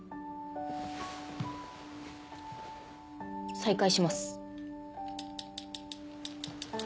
再開します。